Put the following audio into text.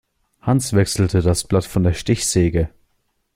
Hans wechselte das Blatt von der Stichsäge.